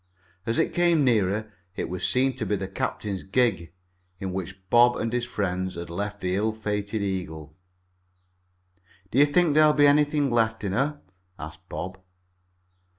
As it came nearer it was seen to be the captain's gig, in which Bob and his friends had left the ill fated Eagle. "Do you think there'll be anything left in her?" asked Bob.